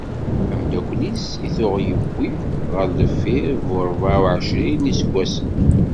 Amdakkel-is i tuɣ yewwi ɣer deffir, bu rebεa u εecrin n yiseggasen.